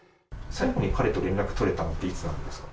最後に彼と連絡取れたのっていつなんですか？